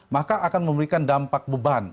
maka akan memberikan dampak beban